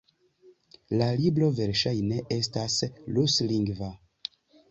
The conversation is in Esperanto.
La libro verŝajne estas ruslingva.